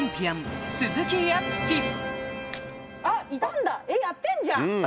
やってんじゃん！